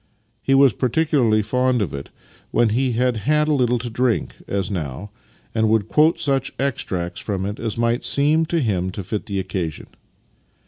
He was par ticularly fond of it when he had had a little to drink — as now — and would quote such extracts from it as might seem to him to fit the occasion.